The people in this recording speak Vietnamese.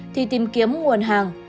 thì tìm kiếm nguồn hàng